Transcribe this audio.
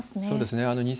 そうですね。